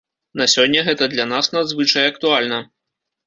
На сёння гэта для нас надзвычай актуальна.